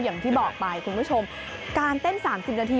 อย่างที่บอกไปคุณผู้ชมการเต้น๓๐นาที